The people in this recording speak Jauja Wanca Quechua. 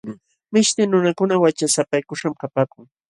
Mishti nunakuna wachasapaykuśhqam kapaakun.